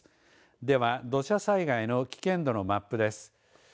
では、土砂災害の危険度のマップです。